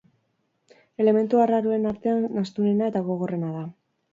Elementu arraroen artean astunena eta gogorrena da.